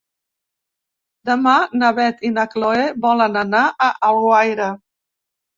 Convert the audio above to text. Demà na Beth i na Chloé volen anar a Alguaire.